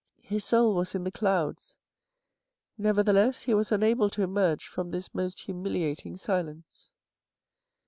His soul was in the clouds. Nevertheless he was unable to emerge from this most humiliating silence.